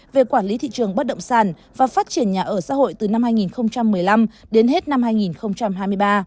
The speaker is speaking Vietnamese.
về quản lý thị trường bất động sản và phát triển nhà ở xã hội từ năm hai nghìn một mươi năm đến hết năm hai nghìn hai mươi ba